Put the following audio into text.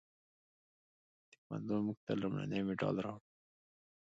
تکواندو موږ ته لومړنی مډال راوړ.